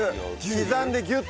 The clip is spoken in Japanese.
刻んでギュッ？